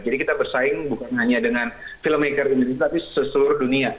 kita bersaing bukan hanya dengan filmmaker indonesia tapi seluruh dunia